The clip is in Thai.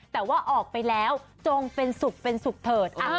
แต่ว่าออกไปแล้วจงเป็นสุขเป็นสุขเถิด